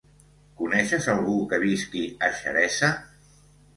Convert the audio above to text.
Coneixes algú que visqui a Xeresa?